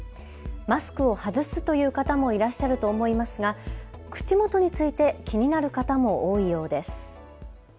マスクを外すという方もいらっしゃると思いますが口元について気になる方も多いようです。